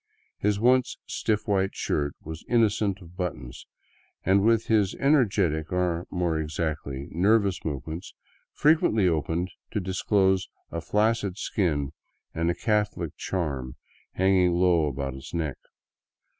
His once stiff white shirt was innocent of buttons, and with his ener getic, or, more exactly, nervous movements, frequently opened to disclose a flacid skin and a Catholic charm hanging low about his neck.